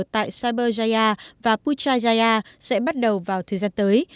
tại cyberjaya và putrajaya sẽ bắt đầu vào thời gian tới